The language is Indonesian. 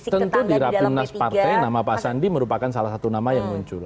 tentu di rapimnas partai nama pak sandi merupakan salah satu nama yang muncul